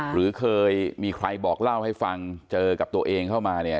หรือเคยมีใครบอกเล่าให้ฟังเจอกับตัวเองเข้ามาเนี่ย